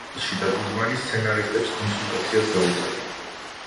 უოლში და გუდმანი სცენარისტებს კონსულტაციას გაუწევენ.